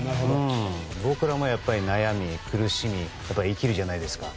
僕らもやっぱり悩み苦しみ生きるじゃないですか。